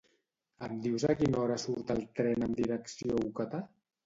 Em dius a quina hora surt el tren amb direcció Ocata?